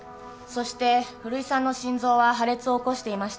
そして古井さんの心臓は破裂を起こしていました。